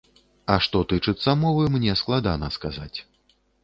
А што тычыцца мовы, мне складана сказаць.